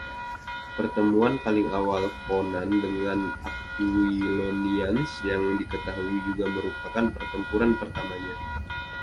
Pertemuan paling awal Conan dengan Aquilonians yang diketahui juga merupakan pertempuran pertamanya.